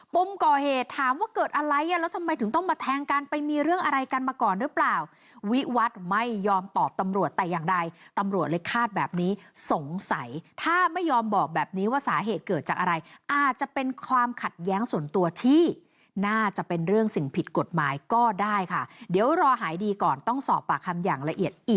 มก่อเหตุถามว่าเกิดอะไรอ่ะแล้วทำไมถึงต้องมาแทงกันไปมีเรื่องอะไรกันมาก่อนหรือเปล่าวิวัตรไม่ยอมตอบตำรวจแต่อย่างใดตำรวจเลยคาดแบบนี้สงสัยถ้าไม่ยอมบอกแบบนี้ว่าสาเหตุเกิดจากอะไรอาจจะเป็นความขัดแย้งส่วนตัวที่น่าจะเป็นเรื่องสิ่งผิดกฎหมายก็ได้ค่ะเดี๋ยวรอหายดีก่อนต้องสอบปากคำอย่างละเอียดอิ